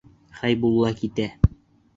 Хәйбулла китә.